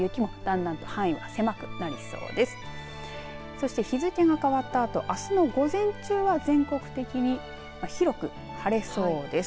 そして日付が変わったあとあすの午前中は全国的に広く晴れそうです。